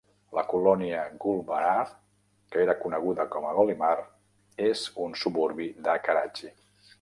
La colònia Gulbahar, que era coneguda com a Golimar, és un suburbi de Karachi.